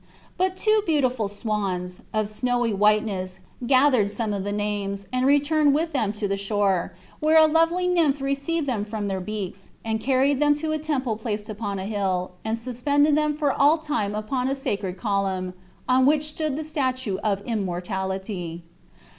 But two beautiful swans, of snowy whiteness, gathered some few of the names, and returned with them to the shore, where a lovely nymph received them from their beaks, and carried them to a temple placed upon a hill, and suspended them for all time upon a sacred column, on which stood the statue of Immortality.